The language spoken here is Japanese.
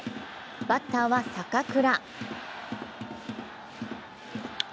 バッターは坂倉。